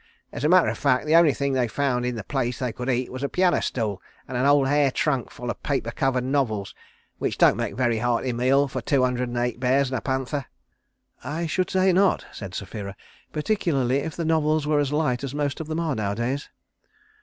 As a matter of fact, the only things they found in the place they could eat was a piano stool and an old hair trunk full o' paper covered novels, which don't make a very hearty meal for two hundred and eight bears and a panther." "I should say not," said Sapphira, "particularly if the novels were as light as most of them are nowadays."